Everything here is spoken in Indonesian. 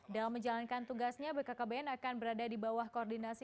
dalam menjalankan tugasnya bkkbn akan berada di bawah koordinasi